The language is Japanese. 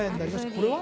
これは？